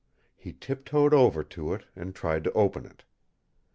He tiptoed over to it and tried to open it.